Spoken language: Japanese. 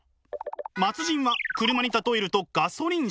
末人は車に例えるとガソリン車。